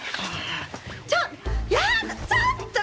ちょっと！